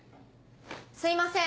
すいません。